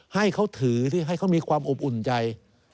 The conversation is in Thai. ให้เขาถือสิให้เขามีความอบอุ่นใจ